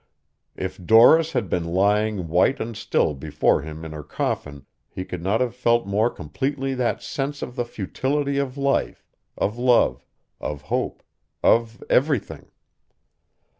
If Doris had been lying white and still before him in her coffin, he could not have felt more completely that sense of the futility of life, of love, of hope, of everything.